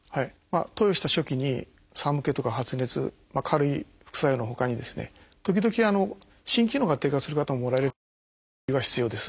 投与した初期に寒気とか発熱軽い副作用のほかに時々心機能が低下する方もおられるんで注意が必要です。